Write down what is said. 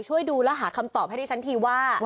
ช่วยดูและหาคำตอบให้ดิฉันทีว่า